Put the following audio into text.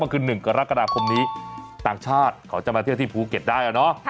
ก็คือ๑กรกฎาคมนี้ต่างชาติเขาจะมาเที่ยวที่ภูเก็ตได้เนอะ